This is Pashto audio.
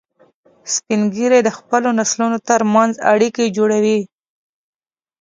سپین ږیری د خپلو نسلونو تر منځ اړیکې جوړوي